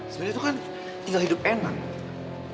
sebenernya kan tinggal hidup enak